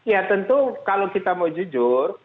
ya tentu kalau kita mau jujur